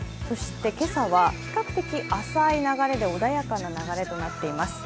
今朝は比較的浅い流れで、穏やかな流れとなっています。